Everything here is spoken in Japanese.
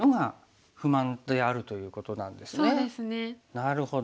なるほど。